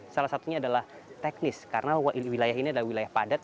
salah satunya adalah teknis karena wilayah ini adalah wilayah padat